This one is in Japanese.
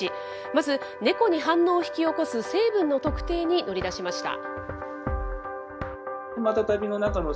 まず、ネコに反応を引き起こす成分の特定に乗り出しました。